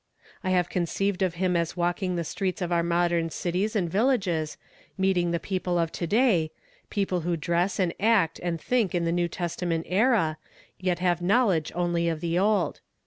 I have conceived of him as walking the streets of our modern cities and villages, meet ing the people of to day, — people who dress and act and think in the New Testament era, yet have knowledge only of the Old.